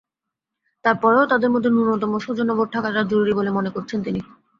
তার পরও তাঁদের মধ্যে ন্যূনতম সৌজন্যবোধ থাকাটা জরুরি বলে মন্তব্য করেছেন তিনি।